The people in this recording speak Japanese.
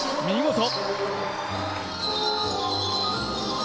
見事！